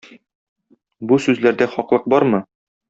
Бу сүзләрдә хаклык бармы?